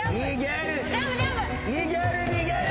逃げる逃げる。